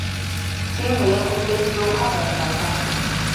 Ttiimu yakutte kisooka mu mpaka.